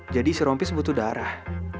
jadi si rompis butuh darah